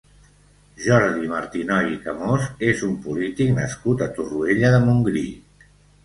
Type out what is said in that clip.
Jordi Martinoy i Camós és un polític nascut a Torroella de Montgrí.